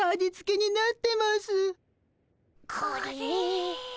これ。